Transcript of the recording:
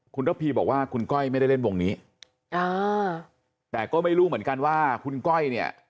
คุณระพีบอกว่าคุณก้อยไม่ได้เล่นวงนี้อ่าแต่ก็ไม่รู้เหมือนกันว่าคุณก้อยเนี่ย